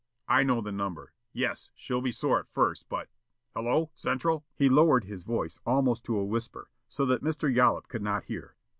"I know the number. Yes, she'll be sore at first, but Hello Central?" He lowered his voice almost to a whisper, so that Mr. Yollop could not hear.